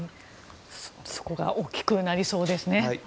そこが大きくなりそうですね。